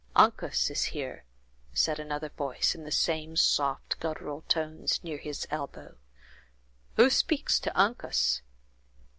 "Uncas is here," said another voice, in the same soft, guttural tones, near his elbow; "who speaks to Uncas?"